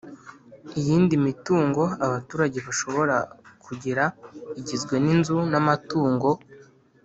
iyindi mitungo abaturage bashobora kugira igizwe n'inzu n'amatungo.